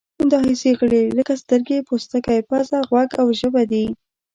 دا حسي غړي لکه سترګې، پوستکی، پزه، غوږ او ژبه دي.